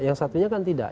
yang satunya kan tidak